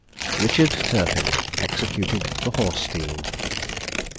RICHARD TURPIN. EXECUTED FOR HORSE STEALING.